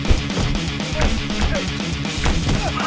brac kita berduan